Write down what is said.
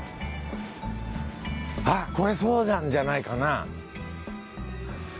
あっこれそうなんじゃないかな？